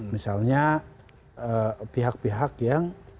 misalnya pihak pihak yang